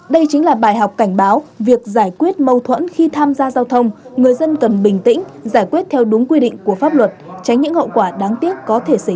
đây chính là bài học cảnh báo việc giải quyết mâu thuẫn khi tham gia giao thông người dân cần bình tĩnh giải quyết theo đúng quy định của pháp luật tránh những hậu quả đáng tiếc có thể xảy ra